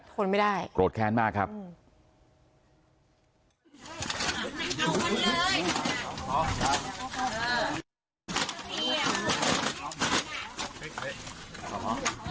ทนไม่ได้โกรธแค้นมากครับ